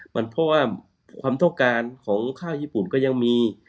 เพราะว่าความต้องการของข้าวญี่ปุ่นก็ยังมี